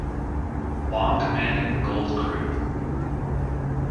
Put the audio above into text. Long commanding the Gold crew.